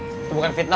itu bukan fitnah